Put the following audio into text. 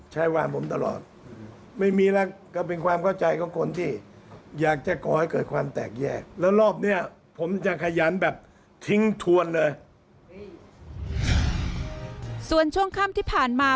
ส่วนช่วงค่ำที่ผ่านมา